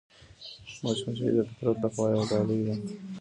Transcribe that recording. مچمچۍ د فطرت له خوا یوه ډالۍ ده